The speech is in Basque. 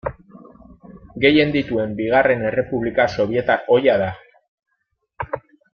Gehien dituen bigarren errepublika sobietar ohia da.